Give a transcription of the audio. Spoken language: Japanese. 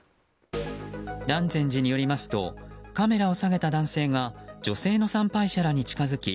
南禅寺によりますとカメラを提げた男性が女性の参拝者らに近づき